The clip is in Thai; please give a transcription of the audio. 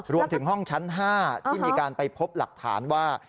ห้องชั้น๕ที่มีการไปพบหลักฐานว่า